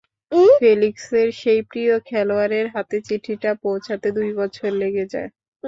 ফেলিক্সের সেই প্রিয় খেলোয়াড়ের হাতে চিঠিটা পৌঁছাতে দুই বছর লেগে যায়।